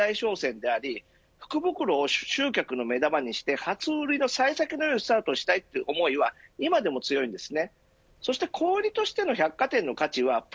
一大商戦であり福袋を集客の目玉にして初売りの幸先のよいスタートをしたいという思いは今でも強いです。